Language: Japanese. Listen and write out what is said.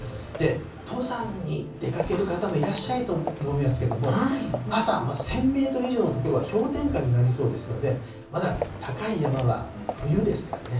登山に出かける方もいらっしゃると思いますけれども、朝、１０００メートル以上の所は氷点下になりそうですので、まだ高い山は冬ですからね。